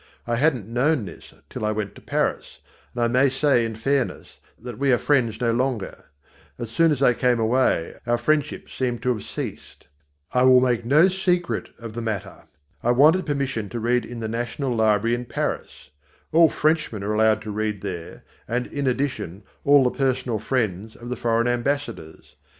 I hadn't known this till I went to Paris, and I may say in fairness that we are friends no longer: as soon as I came away, our friendship seemed to have ceased. I will make no secret of the matter. I wanted permission to read in the National Library in Paris. All Frenchmen are allowed to read there and, in addition, all the personal friends of the foreign ambassadors.